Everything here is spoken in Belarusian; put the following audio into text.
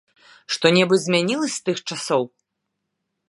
Што-небудзь змянілася з тых часоў?